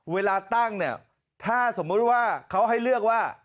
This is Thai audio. เวลาตั้งเนี่ยถ้าสมมุติว่าเขาให้เลือกว่า